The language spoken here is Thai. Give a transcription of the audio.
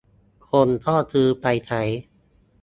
คนก็ซื้อไปใช้